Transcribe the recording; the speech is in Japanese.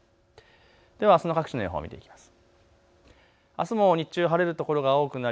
ではあすの各地の予報を見ていきます。